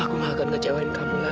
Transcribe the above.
aku gak akan kecewakan kamu lagi ma